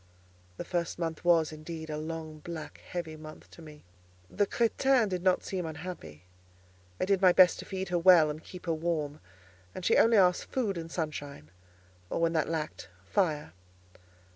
The first month was, indeed, a long, black, heavy month to me. The crétin did not seem unhappy. I did my best to feed her well and keep her warm, and she only asked food and sunshine, or when that lacked, fire.